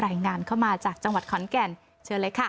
รายงานเข้ามาจากจังหวัดขอนแก่นเชิญเลยค่ะ